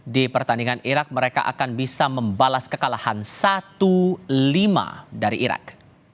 di pertandingan irak mereka akan bisa membalas kekalahan satu lima dari irak